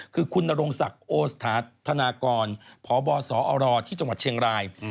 คือคุณนรงศักดิ์โอสถานธนากรพบสอรที่จังหวัดเชียงราย